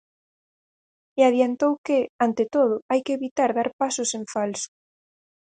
E adiantou que, ante todo, hai que evitar dar pasos en falso.